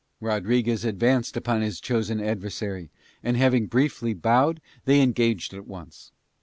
Rodriguez advanced upon his chosen adversary and, having briefly bowed, they engaged at once.